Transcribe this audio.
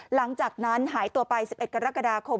หลังจากนั้นหายตัวไป๑๑กรกฎาคม